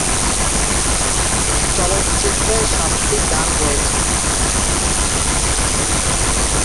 চলচ্চিত্রে সাতটি গান রয়েছে।